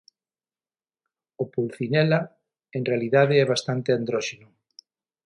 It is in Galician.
O Pulcinella en realidade é bastante andróxino.